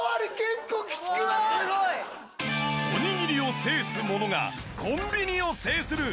おにぎりを制す者がコンビニを制する！